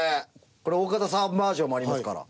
これ大片さんバージョンもありますから。